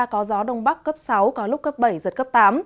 có gió đông bắc cấp sáu có lúc cấp bảy giật cấp tám